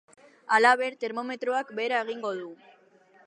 Halaber, termometroak behera egingo du.